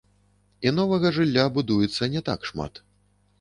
І новага жылля будуецца не так шмат.